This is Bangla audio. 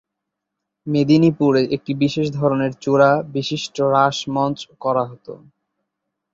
মেদিনীপুরে একটি বিশেষ ধরনের চূড়া বিশিষ্ঠ রাস মঞ্চ করা হতো।